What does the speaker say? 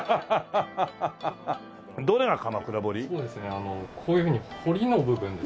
あのこういうふうに彫りの部分です。